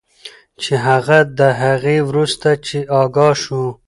چې هغه د هغې وروسته چې آګاه شو